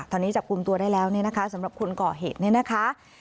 ตอนนี้จับกลุ่มตัวได้แล้วสำหรับคนก่อเหตุนะคะ